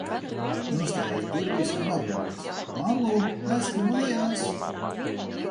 Nostājies durvīs un nobļaujies: "Mammu, esmu mājās!"